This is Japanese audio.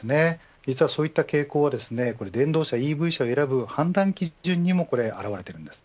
実はそういった傾向は電動車、ＥＶ車を選ぶ判断基準にも現れています。